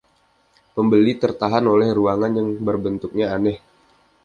Pembeli tertahan oleh ruangan yang bentuknya aneh.